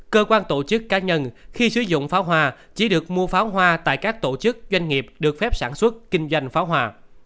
cơ quan tổ chức cá nhân khi sử dụng pháo hoa chỉ được mua pháo hoa tại các tổ chức doanh nghiệp được phép sản xuất kinh doanh pháo hoa